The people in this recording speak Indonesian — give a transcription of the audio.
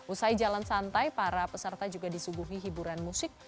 usai jalan santai para peserta juga disuguhi hiburan musik